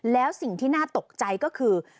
แล้วสิ่งที่น่าตกใจก็คือ